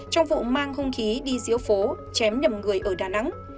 trong vụ mang hung khí đi diễu phố chém nhầm người ở đà nẵng